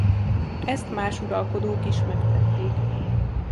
Ezt más uralkodók is megtették.